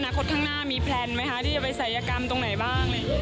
คดข้างหน้ามีแพลนไหมคะที่จะไปศัยกรรมตรงไหนบ้าง